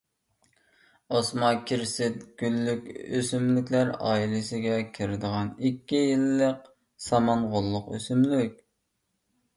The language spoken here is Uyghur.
ئوسما -- كىرېست گۈللۈك ئۆسۈملۈكلەر ئائىلىسىگە كىرىدىغان، ئىككى يىللىق سامان غوللۇق ئۆسۈملۈك.